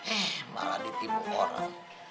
eh malah ditipu orang